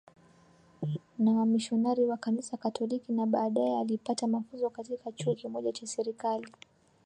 na wamisionari wa Kanisa Katoliki na baadaye alipata mafunzo katika chuo kimoja cha serikali